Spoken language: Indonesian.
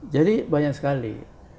jadi banyak sekali